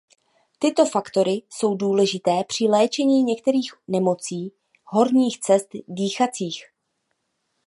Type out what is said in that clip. Tyto faktory jsou důležité při léčení některých nemocí horních cest dýchacích.